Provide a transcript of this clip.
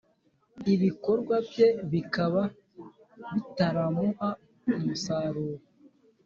ibikorwa bye bikaba bitaramuha umusaruro,